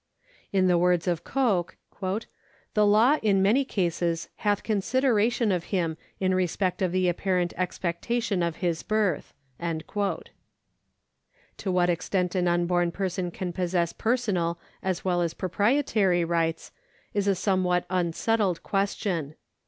In the words of Coke :" The law in many cases hath consideration of him in respect of the apparent expectation of his birth." ^ To what extent an unborn person can possess personal as well as proprietary rights is a somewhat unsettled question.